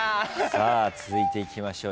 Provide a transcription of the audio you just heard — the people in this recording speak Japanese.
さあ続いていきましょう。